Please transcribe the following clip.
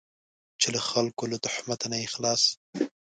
چې له خلکو له تهمته نه یې خلاص.